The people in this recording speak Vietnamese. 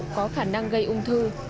có khả năng gây ung thư